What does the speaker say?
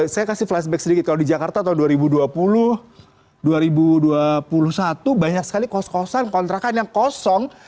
saya kasih flashback sedikit kalau di jakarta tahun dua ribu dua puluh dua ribu dua puluh satu banyak sekali kos kosan kontrakan yang kosong